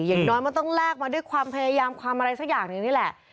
อย่างน้อยมันต้องแลกมาด้วยความพยายามความอะไรสักอย่างหนึ่งนี่แหละ